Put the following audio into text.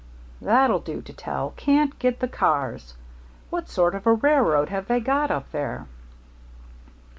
"That'll do to tell. 'Can't get the cars!' What sort of a railroad have they got up there?"